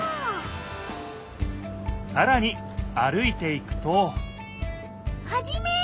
さらに歩いていくとハジメ！